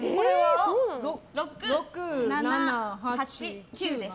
６、７、８、９です。